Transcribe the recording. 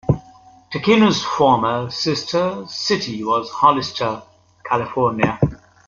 Takino's former sister city was Hollister, California.